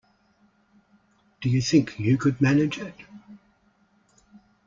Do you think you could manage it?